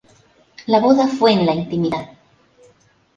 La boda fue en la intimidad.